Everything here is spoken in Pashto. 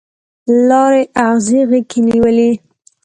لارې اغزي غیږ کې نیولي